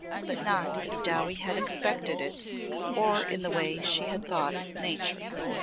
But not as Dowie had expected it or in the way she hard thought "Nature."